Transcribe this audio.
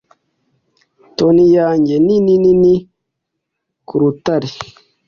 Toni yanjye nini nini nkurutare